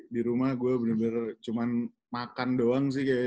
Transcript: di rumah gue bener bener cuman makan doang sih kayaknya